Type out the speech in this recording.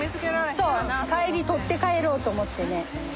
そう帰り取って帰ろうと思ってね。